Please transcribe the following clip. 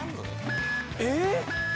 えっ！？